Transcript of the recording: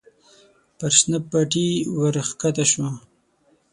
پر شنه پټي ور کښته شوه.